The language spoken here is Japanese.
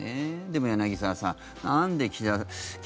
でも柳澤さん、なんで岸田さん